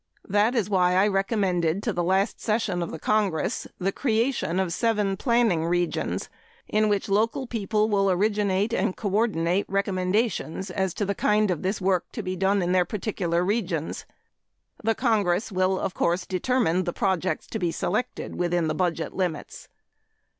That is why I recommended to the last session of the Congress the creation of seven planning regions, in which local people will originate and coordinate recommendations as to the kind of this work of this kind to be done in their particular regions. The Congress will, of course, determine the projects to be selected within the budget limits.